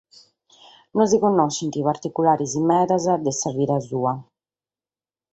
Non si connoschent particulares medas de sa vida sua.